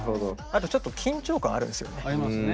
あとちょっと緊張感あるんですよね。ありますね。